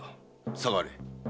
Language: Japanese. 下がれ。